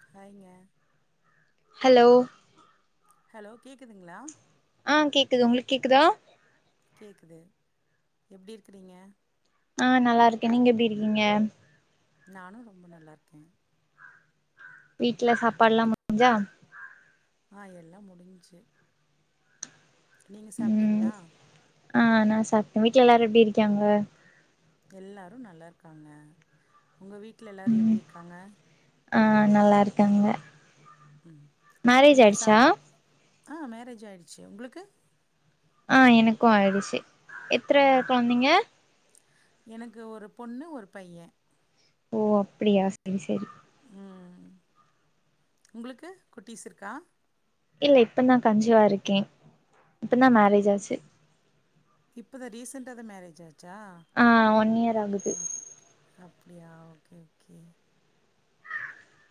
பாய்ங்க hello hello கேக்குதுங்ளா ஆ கேக்குது உங்களுக் கேக்குதா கேக்குது எப்டி இருக்றீங்க ஆ நல்லா இருக்கே நீங்க எப்டி இருக்கீங்க நானு ரொம்ப நல்லார்க்கே வீட்ல சாப்பாடெல்லா முடிஞ்சா ஆ எல்லா முடிஞ்ச்சு நீங்க ம் சாப்ட்டீங்ளா ஆ நா சாப்ட்டே வீட்டல எல்லாரு எப்டி இரிக்காங்க எல்லாரு நல்லார்க்காங்க உங்க வீட்ல எல்லாரு ம் எப்டி இருக்காங்க ஆ நல்லா இருக்காங்க ம் மேரேஜ் நீங்க ஆயிட்ச்சா சாப் ஆ மேரேஜ் ஆயிட்ச்சு உங்களுக்கு ஆ எனக்கு ஆயிடுச்சு எத்தன ம் கொழந்தைங்க எனக்கு ஒரு பொண்ணு ஒரு பைய ஓ அப்டியா செரி செரி ம் உங்களுக்கு குட்டீஸ் இருக்கா இல்ல இப்பந்தா கஞ்சிவா இருக்கே இப்பந்தா மேரேஜ் ஆச்சி இப்பதா ரீசண்டா தா மேரேஜ் ஆ ஆ ஒன் இயர் ஆகுது ஓகே அப்டியா ஓகே ஓகே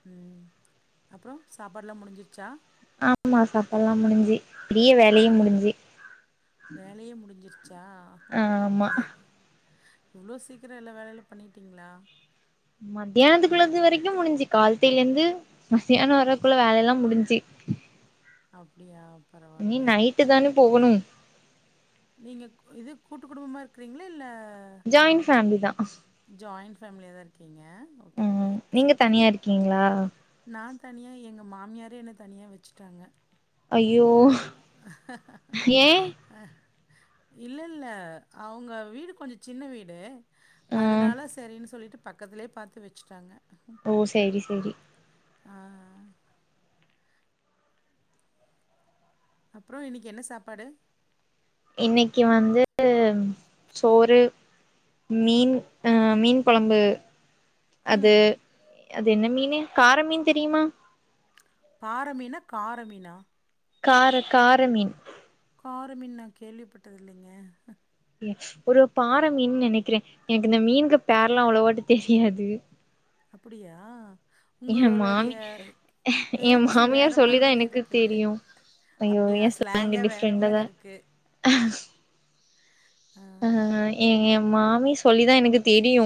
ம் அப்றோ சாப்பாட்லா முடிஞ்சிர்ச்சா ஆமா சாப்பாடெல்லா முடிஞ்சி ஆ வேலையே முடிஞ்சிருச்சா ஓகே ஆமா ஓகே இவ்ளோ சீக்ரோ எல்லா வேலைலா பண்ணிடீங்ளா மத்தியானத்துக்குள்ளது வரைக்கும் முடிஞ்சு காலத்தையில இருந்து மத்தியானம் வரக்குள்ள வேலை எல்லாம் முடிஞ்சு அப்டியா இனி பரவால்ல நைட்டு தான போகணும் நீங்க இது கூட்டு குடும்பமா இருக்கிறீங்களா இல்ல ஜாய்ண்ட் ஃபேமிலி தா ஜாயிண்ட் ஃபேமிலியா தா இருக்கீங்க ஓகே ம் ஓகே ம் நீங்க சூப்பர் தனியா இருக்கீங்களா நா தனியா எங்க மாமியாரே என்ன தனியா வச்சுட்டாங்க அய்யோ ஏ இல்ல இல்ல அவுங்க வீடு கொஞ்சோ சின்ன வீடு ஆ அதுனால சரின்னு சொல்லிட்டு பக்கத்துலயே பாத்து வச்சுட்டாங்க ஓ சேரி சேரி ஆ அ அப்றோ இன்னைக்கி என்ன சாப்பாடு இன்னைக்கி வந்து சோறு ம் மீன் அ மீன் கொழம்பு ம் அது அது என்ன மீனு கார மீன் தெரியுமா பாறமீனா காரமீனா கார கார மீன் கார மீன் நா கேள்விப்பட்டது இல்லங்க ஒரு பாறை மீன் நெனக்கிறே எனக்கு இந்த மீனுக்கு பேரல்லா அவ்ளவாட்டோ தெரியாது அப்டியா ஏ மாமி என் பேச்சு வேற மாமியார் சொல்லிதா மாதிரி எனக்கு இருக்குது தெரியு அய்யோ அப்படியா எஸ் ஸ்லாங்கே வேற மாரி டிஃபரெண்ட்டாதா இருக்கு ஆ ஆ ஆ ஏ ஏ மாமி சொல்லிதா எனக்கு தெரியு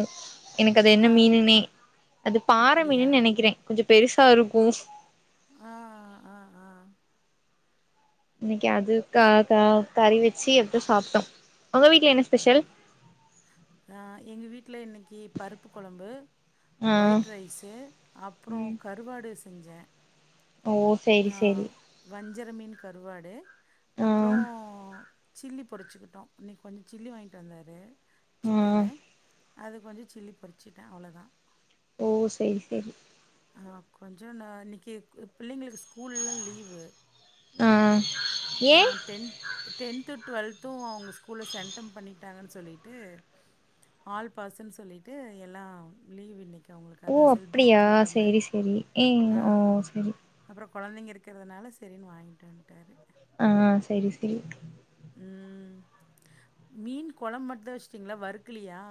எனக்கு அது ஆ என்ன மீனுனே அது பாறை மீனு அப்படியா நெனக்கிறே கொஞ்ச பெருசா இருக்கூ ஆ ஆ ஆ ஆ இன்னைக்கி அது க கறி வச்சு எடுத்து சாப்ட்டோ உங்க வீட்ல என்ன ஸ்பெஷல் அ எங்க வீட்டுல இன்னைக்கி பருப்பு கொழம்பு ஆ ஒயிட் ரைஸு அப்பறோ ம் கருவாடு செஞ்சே ஓ சேரி ஆ சேரி வஞ்சர மீன் கருவாடு ஆ அப்றோ சில்லி பொரிச்சிக்கிட்டோ இன்னக்கி கொஞ்ச சில்லி வாங்கிகிட்டு வந்தாரு ஆ சிக்கனு அது கொஞ்ச சில்லி பொறிச்சிட்டே அவ்ளோதா ஓ செரி செரி ஆ கொஞ்ச நா இன்னைக்கி பிள்ளைங்களுக்கு ஸ்கூல்லல்லா லீவு ஆ ஏ டென்த் டென்த்து டுவல்த்தும் அவுங்க ஸ்கூல்ல சென்டம் பண்ணி விட்டாங்கனு சொல்லிட்டு ஆல் பாஸ்னு சொல்லிட்டு எல்லாம் லீவ் இன்னைக் அவுங்களுக்கு அத செலிப்ரேட் ஆ பண்ணுற மாதிரி சேரி சேரி இங் ஓ செரி கொழந்தைங்க இருக்குறதுனால செரின்னு வாங்கிட்டு வந்துட்டாரு ஆ செரி செரி ம் மீன் கொழம்பு மட்டுந்தா வச்சுட்டீங்களா வறுக்கலையா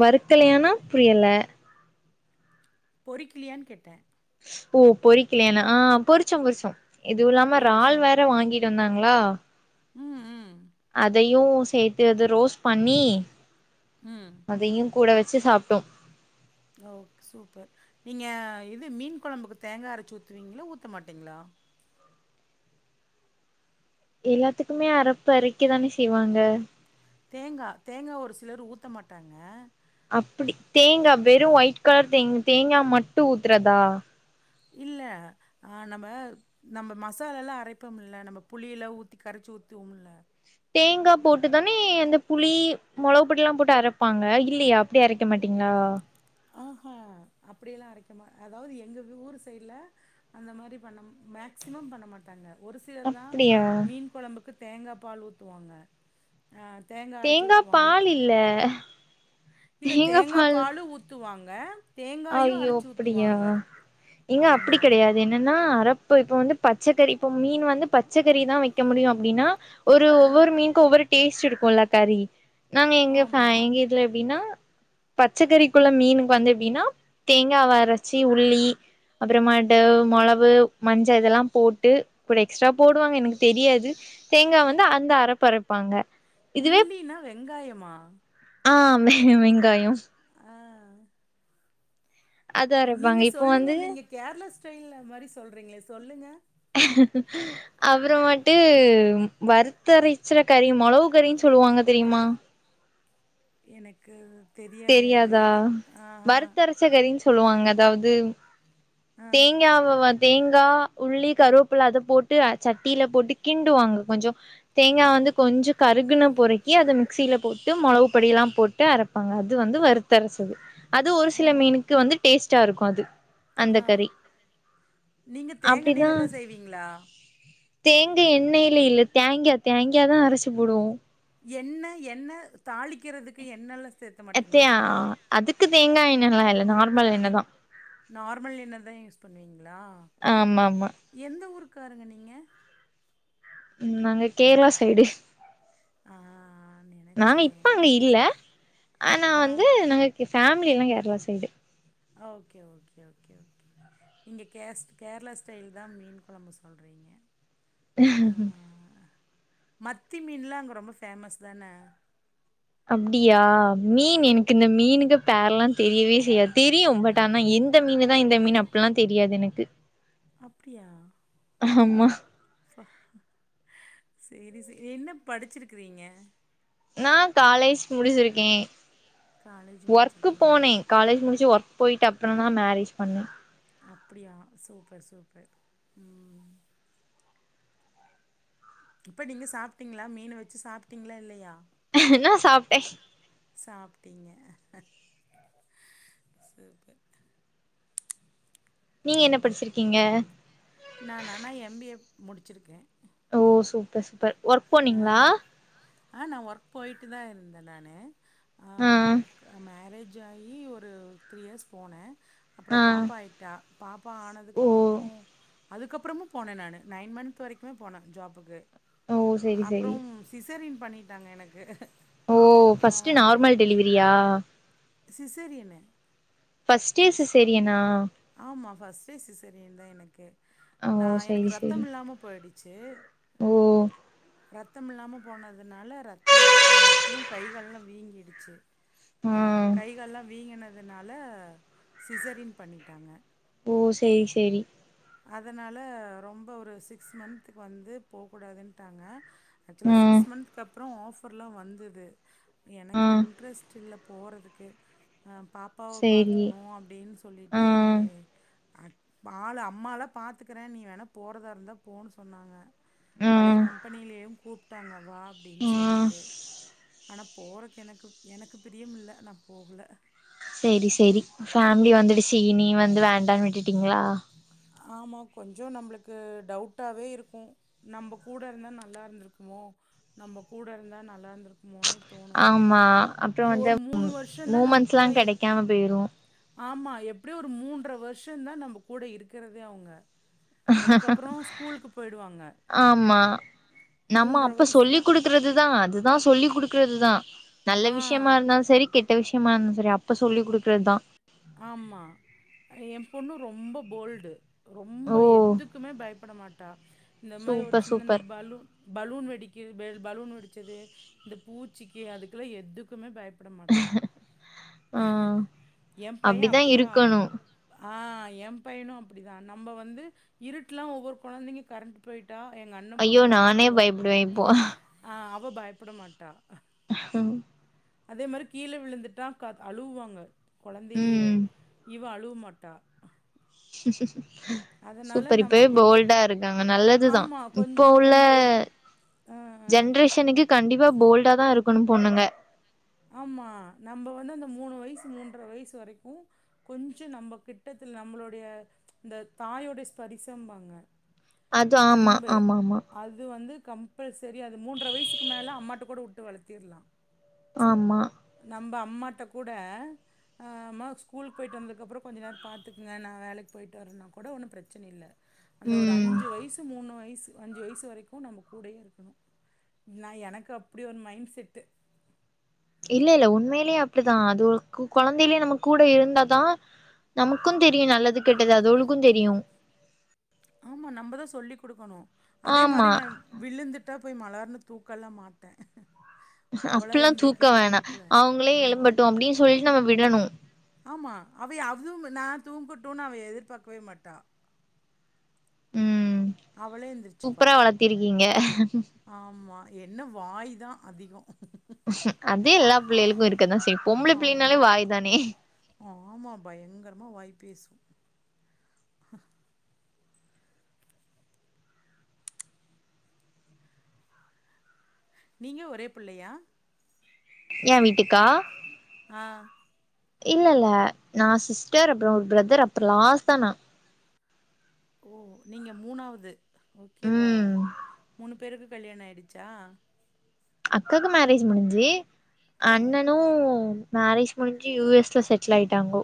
வறுக்கலையானா புரியல பொறிக்கலையான்னு கேட்டே ஓ பொறிக்கலையானா ஆ பொறுச்சோ பொறுச்சோ இது இல்லாம றால் பொறிச்சிங் வேற வாங்கிட் வாங்கிட்டு வந்தாங்களா ம் ம் அதையு சேத்து அது ரோஸ்ட் பண்ணி ம் அதையு கூட வச்சு சாப்டோ ஓக் சூப்பர் நீங்க இது மீன் கொழம்புக்கு தேங்கா அரச்சு ஊத்துவீங்களா ஊத்த மாட்டீங்களா எல்லாத்துக்குமே அறப்பு அரைக்க தானே செய்வாங்க தேங்கா தேங்கா ஒரு சிலர் ஊத்த மாட்டாங்க அப்புடி தேங்கா வெறு ஒயிட் கலர் தேங் தேங்கா மட்டு ஊத்துறதா இல்ல ஆ நம்ம நம்ம மசாலால்லா அரைப்போம்ல்ல நம்ம புளியெல்லா ஊத்தி கர ச்சு ஊத்துவோம்ல தேங்கா போட்டுதானே அந்த புளி மொளவுபொடி எல்லா போட்டு அரைப்பாங்க இல்லையா அப்டி அரைக்க மாட்டீங்களா ஆ ஆஹ்ஹா அப்டியெல்லா அரைக்க மா அதாவது எங்க ஊரு சைடுல அந்த மாரி பண்ணம் மேக்சிமம் பண்ண மாட்டாங்க ஒரு சிலர் தா அப்டியா மீன் கொழம்புக்கு தேங்கா பால் ஊத்துவாங்க ஆ அரைச்சு தேங்கா ஊத்துவாங்க பால் இல்ல இல்ல தேங்கா பாலு ஊத்துவாங்க தேங்காயும் ஐயோ அரைச்சு அப்டியா ஊத்துவாங்க எங்க அப்பிடி ஆமா கெடையாது என்னென்னா எப் இப்ப வந்து பச்சக்கறி இப்ப மீன் வந்து பச்சக்கறி தா வைக்க முடியு அப்டின்னா ஒரு ஆ ஒவ்வொரு மீன்க்கு ஒவ்வொரு டேஸ்ட் இருக்குல கறி நாங்க எங்க ஃபே ஆமா எங்க இதுல எப்டின்னா பச்சக்கறிக்குள்ள மீனுக்கு வந்து எப்டின்னா தேங்காவ அரச்சி உள்ளி அப்றமாட்டு மொளவு மஞ்சள் இதெல்லா போட்டு கூட எக்ஸ்ட்ரா போடுவாங்க எனக்கு தெரியாது தேங்கா வந்து அந்த அரப்பு அரப்பாங்க உள்ளினா வெங்காயமா ஆம வெங்காய ஆ அது அரைப்பாங்க நீங்க இப்போ சொல்லுங்க வந்து நீங்க கேரளா ஸ்டைல்ல மாரி சொல்றீங்களே சொல்லுங்க அப்புறமாட்டு வறுத்து அரைச்சுற கறி மொளவு கறின் சொல் சொல்லுவாங்க தெரியுமா எனக்கு தெரியாதே அது தெரியாதா ஆஹா வறுத்து அரச்ச கறின்னு சொல்லுவாங்க அதாவது ஆ தேங்காவ வ தேங்கா உள்ளி கருவேபில்ல அத போட்டு சட்டியில போட்டு கிண்டுவாங்க கொஞ்சொ தேங்கா வந்து கொஞ்சொ கரு அதுக்குன்னு பொரிக்கி அத மிக்சியில போட்டு மொளவு பொடியெல்லா போட்டு அரப் பாங்க அது வந்து வறுத்து அரச்சது அது ஒரு ஆ சில மீனுக்கு வந்து டேஸ்டா இருக்கு அது அந்த ஆ கறி நீங்க தேங்கா அப்டிதா எண்ணெய்ல தா செய்வீங்களா தேங்க எண்ணெய்யில இல்ல தேங்கா தேங்காதா அரைச்சி போடுவோ என்ன என்ன தாளிக்கிறதுக்கு என்னல்ல அத்தெயா அதுக்கு தேங்கா எண்ணல்லா இல்ல நார்மல் எண்ணதா நார்மல் என்னதா யூஸ் பண்ணுவீங்களா ஆமா ஆமா எந்த ஊருக் காரங்க நீங்க ம் நாங்க கேரளா சைடு ஆ நாங்க நெனச்சே இப்ப அங்க இல்ல ஆனா ஆ வந்து நாங்க ஃபேமிலி எல்லா ஏ side okay okay okay okay நீங்க கேஸ் கேரள ஸ்டைல் தா மீன் கொழம்பு சொல்றீங்க ஆ மத்தி மீன்லா அங்க ரொம்ப ஃபேமஸ் தான அப்டியா மீன் எனக்கு இந்த மீனுங்க பேரல்லா தெரியவே செய்யாது தெரியு பட் ஆனா எந்த மீனுதா இந்த மீன் அப்டில்லா தெரியாது எனக்கு அப்டியா ஆமா ப்பா சேரி சே என்ன படிச்சிருக்கிறீங்க நா காலேஜ் முடிச்சிருக்கே காலேஜ் ஒர்க் முடிச்சிருக்கீங்க போனே காலேஜ் முடிச்சு ஒர் போயிட்டு அப்புறந்தா மேரேஜ் பண்ணே அப்டியா சூப்பர் சூப்பர் ம் இப்ப நீங்க சாப்ட்டீங்ளா மீன வெச்சு சாப்ட்டீங்ளா இல்லையா நா சாப்ட்டே சாப்பிட்டீங்க சூப்பர் நீங்க என்ன படிச்சிருக்கீங்க நா நானா எம் பி ஏ முடிச்சிருக்கே ஓ சூப்பர் சூப்பர் ஒர்க் போனீங்ளா ஆ ஆ நா ஒர்க் போயிட்டுதா இருந்த நானு ஆ ஜாயி ஒரு த்ரீ இயர்ஸ் போன அப்றோ ஆ பாப்பா ஆயிட்டா பாப்பா ஓ ஆனதுக்கப்றோ அதுக்கப்புறமும் போன நானு நைன் மந்த் வரைக்குமே போன ஜாப்புக்கு ஓ செரி செரி அப்புறம் சிசேரியன் பண்ணிட்டாங்க எனக்கு ஓ ஆ ஃபர்ஸ்ட் நார்மல் டெலிவரியா சிசேரியனு ஃபர்ஸ்டே சிசேரியனா ஆமா ஃபர்ஸ்டே சிசேரியன்தா எனக்கு கே ஓ நா எனக்கு செரி செரி ரத்தமில்லாம போய்டுச்சு ஓ ரத்தம் இல்லாம போனதுனால ரத்தோ எறக்குனங்காட்டியு கை காலெல்லா வீங்கிடுச்சு ஆ கை கால் எல்லா வீங்கினதுனால சிசேரியன் பண்ணிட்டாங்க ஓ சேரி சேரி அதனால ரொம்போ ஒரு சிக்ஸ் மந்துக்கு வந்து போகூடாதுன்ட்டாங்க ஆக்சுவலா ஆ சிக்ஸ் மந்த்துக்கு அப்புறோ ஆஃபர்ல்லா வந்துது ஆ எனக்கு இன்ட்ரெஸ்ட் இல்ல போறதுக்கே அ பாப்பாவ செரி பாத்துக்கணு அப்டின் ஆ சொல்லிட்டு ஆ ஆளு அம்மால்லா பாத்துக்கறே நீ வேணா போறதா இருந்தா போனு சொன்னாங்க பழைய கம்பெனிலயும் கூப்ட்டாங்க வா அப்டின் ஆ சொல்லிட்டு ஆனா போறக்கு எனக்கு எனக்கு பிரியமில்ல நா போகல சேரி சேரி ஃபேமிலி வந்துடுச்சு இனி வந்து வேண்டானு விட்டுட்டீங்ளா ஆமா கொஞ்சொ நம்மளுக்கு டவுட்டாவே இருக்கு நம்ம கூட இருந்தா நல்லா இருந்திரு க்கு நம்ம கூட இருந்தா நல்லா இருந்திருக்குமோனு ஆமா அப்புறோ வந்து வருஷந்தா நம்ப மூமன்ஸ்ல்லா கூட இரு கெடைக்காம போயிரு ஆமா எப்டியோ ஒரு மூன்ற வருஷந்தா நம்ம கூட இருக்கிறதே அவுங்க அதுக்கப்புறோ ஸ்கூலுக்கு போயிடுவாங்க ஆமா நம்ம மூன்ற அப்ப சொல்லி் வயசுல குடுக்கறதுதா அதுதா சொல்லி குடு க்கறதுதா நல்ல ஆ விஷ்யமா இருந்தாலு சரி கெட்ட விஷ்யமா இருந்தாலு சரி அப்ப சொல்லி குடுக்கறதுதா ஆமா என் பொண்ணு ரொம்ப போல்டு ரொம்ப ஓ எதுக்குமே பயப்பட மாட்டா இந்த மாரி ஒரு சூப்பர் சின்ன இந்த சூப்பர் பலூன் பலூன் வெடி க்கு பலூன் வெடிச்சது இந்த பூச்சிக்கு அதுக்கெல்லா எதுக்குமே பய பட மாட்டா ஆ என் பையன் அப்டிதா அப்படியே ஆப் இருக்கணு ஆ என் பையனு அப்டிதா நம்ம வந்து இருட்லா ஒவ்வொரு கொழந்தைங்க கரண்ட் போயி ட்டா எங்க அண்ண ஐயோ பொண்ணெல்லா நானே கத்துவா பயப்படுவே இப்போ ஆ அவ பயப்பட மாட்டா ஹ அதே மாரி கீழ விழுந்துட்டா க அழுவாங்க கொழந்தைலயே ம் இவ அழுவமா ட்டா சூப்பர் இப்பவே கொஞ்சம் கொ போல்டா இருக்காங்க நல்லதுதா ஆமா இப்போ கொஞ்ச உள்ள கொஞ்சம் இது ஆ ஆ ஜென்ரேஷனுக்கு கண்டிப்பா போல்டா தா இருக்கன்னு பொண்ணுங்க ஆமா நம்ம வந்து அந்த மூணு வயசு மூன்ற வயசு வரைக்கு கொஞ்ச நம்ம கிட்டத்தல நம்மளோடைய இந்த தாயோடைய ஸ்பரிசம்பாங்க அது ஆமா அன்பு ஆமாமா அது வந்து கம்பல்சரி அது மூன்ற வயசுக்கு மேல அம்மாட்ட கூட வுட்டு வளத்திடலா ஆமா நம்ப அம்மாட்ட கூட ஆம்மா ஸ்கூலுக்கு போயிட்டு வந்ததுக்கப்புற கொஞ்ச நேர பாத்துகுங்க நா வேலைக்கு போய்ட்டு வரேனுகூட ஒன்னு பிரச்சனை இல்ல அந்த ஒரு ம் அஞ்சு வயசு மூணு வயசு அஞ்சு வயசு வரைக்கு நம்ம கூடயே இருக்கணு நா எனக்கு அப்படி ஒரு மைண்ட் செட்டு இல்ல இல்ல உண்மையிலயே அப்டித்தா அது கு குழந்தையிலயே நம்ம கூட இருந்தாதா நமக்குந் தெரியு நல்லது கெட்டது அதோலுக்கு தெரியு ஆமா நம்மதா சொல்லி்குடுக்கணு அதே ஆமா மாரி நா விழுந்துட் டா போய் மலார்னு தூக்கல்லா மாட்டே அவளா அப்டில்லா தூக்க எந்திரிக்கட்டுன்னு வேணா விட்ருவே அவங்களே ஆமா. எழும்பட்டு அப்டின்னு சொல்லிட்டு நம்ம விடணு ஆமா அவை அதுவும் நா தூங்கட்டும்னு அவ எதிர்பாக்கவே மாட்டா ம் அவளே எந்திரிச்சுப்பா. சுப்புரா வளத்திருக்கீங்க ஆமா என்ன வாய் தா அதிக அதே எல்லா பிள்ளைகளுக்கு இருக்கதா செய்யு பொம்பள பிள்ளைனாலே வாய் தானே ஆமாம் பயங்கரமா வாய்பேசு நீங்க ஒரே பிள்ளையா ஏ வீட்டுக்கா ஆ இல்ல இல்ல நா சிஸ்டர் அப்புற ஒரு பிரதர் அப்புற லாஸ்ட்டாதா நா ஓ நீங்க மூணாவது ஓகேவா ம் மூணு பேருக்கு கல்யாண ஆயிடுச்சா அக்காக்கு மேரேஜ் முடிஞ்சு ஆ அண்ணனு மேரேஜ் முடிஞ்சு யூ எஸ்ல செட்ல் ஆயிட்டாங்கோ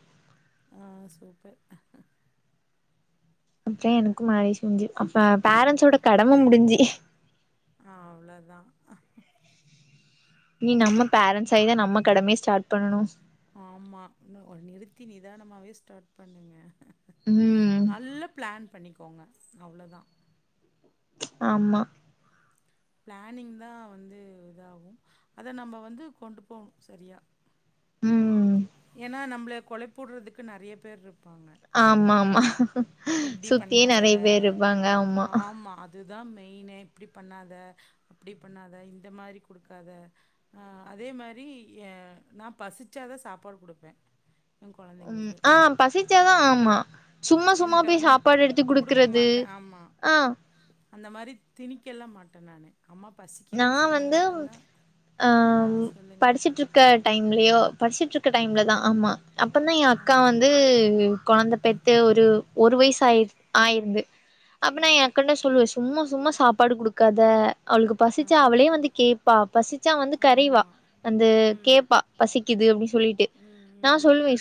ஆ சூப்பர் அப்பற எனக்கு மேறேஞ்சு முடிஞ்சி அப்ப பேரண்ஸோட கடம முடிஞ்சு ஆ அவ்வளதாங்க இனி நம்ம பேரன்ஸ் ஆயிதா நம்ம கடமய ஸ்டார்ட் பண்ணனு ஆமா ஒரு நிறுத்தி நிதானமாவே ஸ்டார்ட் பண்ணுங்க ம் நல்ல பிளான் பண்ணிக்கோங்க அவ்ளோதா ஆமா பிளானிங் தா வந்து இதாகு அத நம்ம வந்து கொண்டு போணு சரியா ம் ஏன்னா நம்மள கொழப்புடுறதுக்கு நெறைய பேர் இரு ஆமா ஆமா இப்டி சுத்தி பண்ணாத நெறய பேர் இருப்பாங்க ஆமா தா மெயினே இப்டி பண்ணாத அப்டி பண்ணாத இந்த மாரி குடுக்காத அ அதே அதே மாரி எ நா பசிச்சாதா சாப்பாடு குடுப்பே எ ம் கொழந்தைங்களுக்கு ஆ பசிச்சாதா ஆமா சும்மா சும்மா என்ட்ட போய் வந்து சாப்பாடு எடுத்து குடுக்க குடுக்கறது மாட்டே ஆமா ஆ அந்த மாரி திணிக்கல்லா மாட்டே நானு அம்மா நா பசிக்குதுன்னு சொன்னா வந்து மட்டுந்தா ஆ படிச்சுட்டு இருக்க டைம்லயோ படிச்சுட்ருக் க டைம்ல தா ஆமா அப்பன்னா ஏ ஆ அக்கா வந்து கொழந்த பெத்து ஒரு ஒரு வயசு ஆய ஆயிருந்து அப்டினா ஆ ஏ அக்கண்ட சொல்லுவே சும்மா சும்மா சாப்பாடு குடுக்காத அவளுக்கு ஆ பசிச்சா அவளே வந்து கேப்பா பசிச்சா வந்து கரைவா ஆமா அந்த ம் கேப்பா பசிக்குது அப்டி சொல்லிட்டு ம் நா ம் சொல்லுவே